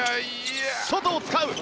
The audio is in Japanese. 外を使う！